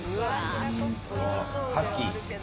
カキ。